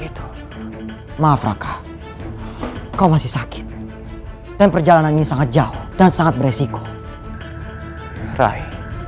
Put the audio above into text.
itu maaf rakah kau masih sakit dan perjalanan ini sangat jauh dan sangat beresiko rai